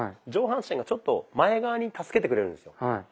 上半身がちょっと前側に助けてくれるんですよ。